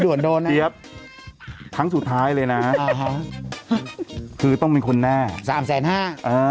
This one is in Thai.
โดนโดนทั้งสุดท้ายเลยนะอ่ะคือต้องมีคนแน่สามแสนห้าอ๋อ